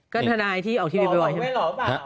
ก็ทนายที่ออกทีวีบ่อยใช่ไหม